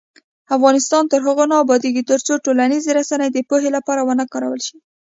افغانستان تر هغو نه ابادیږي، ترڅو ټولنیزې رسنۍ د پوهې لپاره ونه کارول شي.